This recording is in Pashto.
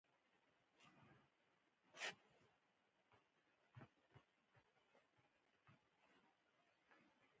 احمد زموږ په کار کې اړېکی اچوي.